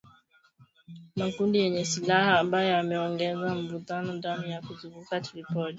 makundi yenye silaha ambayo yameongeza mvutano ndani na kuzunguka Tripoli